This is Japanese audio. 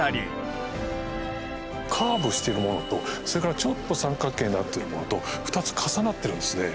カーブしてるものとそれからちょっと三角形になってるものと２つ重なってるんですね。